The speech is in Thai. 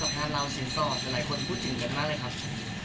พูดถึงกันมากเลยครับ